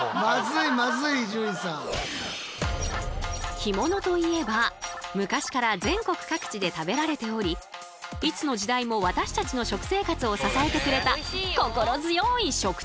干物といえば昔から全国各地で食べられておりいつの時代も私たちの食生活を支えてくれた